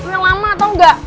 yang lama tau nggak